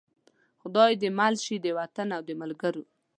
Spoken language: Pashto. خدای دې مل شي د وطن او د ملګرو.